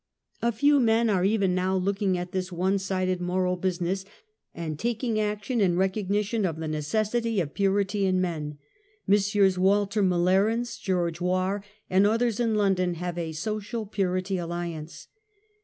A few men are even now looking at this one sided moral business and taking action in recognition of the necessity of purity in men. Messrs. Walter M'Larens, George Warr, and others in London havo a Social Purity Alliance.